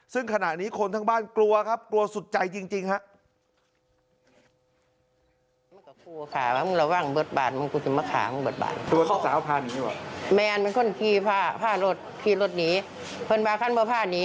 ซึ่งขณะนี้คนทั้งบ้านกลัวครับกลัวสุดใจจริงครับ